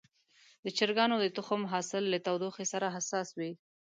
د چرګانو د تخم حاصل له تودوخې سره حساس وي.